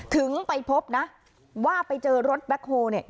ถึงไปพบนะว่าไปเจอรถแบ็คโฮลเนี่ย